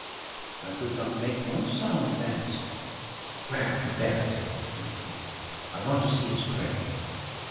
I could not make one sound in answer. "Where have you buried him?" he repeated. "I want to see his grave."